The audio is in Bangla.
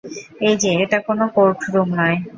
এই যে, এটা কোনো কোর্টরুম নয়!